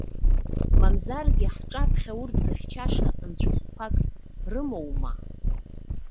Мамзаргьы, ҳҿаԥхьа урҭ зыхьчаша нцәахәқәак рымоума?